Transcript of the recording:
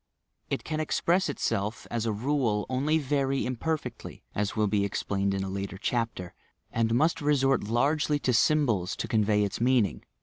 It can express itself, as a rule, only very imperfectly (as will be explained in a later chapter), and must resort largely to symbols to convey its mean ing.